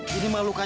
dia memandu kita